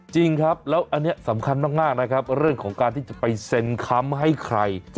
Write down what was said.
จริงครับแล้วอันนี้สำคัญมากนะครับเรื่องของการที่จะไปเซ็นค้ำให้ใคร